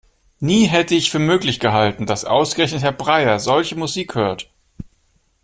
Nie hätte ich für möglich gehalten, dass ausgerechnet Herr Breyer solche Musik hört!